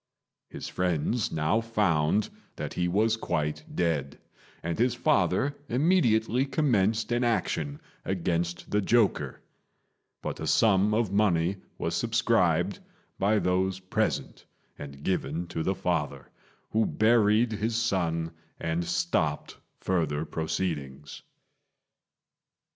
His friends now found that he was quite dead, and his father immediately commenced an action against the joker; but a sum of money was subscribed by those present and given to the father, who buried his son and stopped further proceedings.